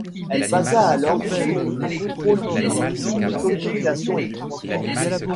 Elle passa alors sour le contrôle du ministère des Communications et du transport.